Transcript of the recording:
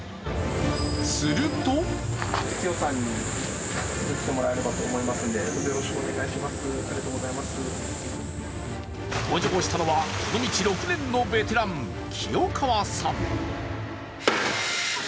すると登場したのは、この道６年のベテラン、清川さん。